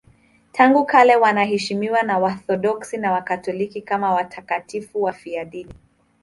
Tangu kale wanaheshimiwa na Waorthodoksi na Wakatoliki kama watakatifu wafiadini.